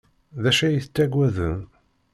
D acu ay ttaggaden?